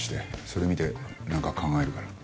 それ見てなんか考えるから。